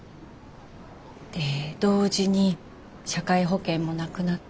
で同時に社会保険もなくなって。